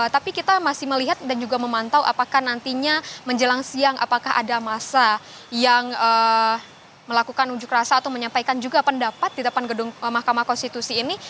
tapi kita masih melihat dan juga memantau apakah nantinya menjelang siang apakah ada masa yang melakukan unjuk rasa atau menyampaikan juga pendapat di depan gedung mahkamah konstitusi ini